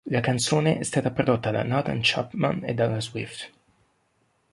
La canzone è stata prodotta da Nathan Chapman e dalla Swift.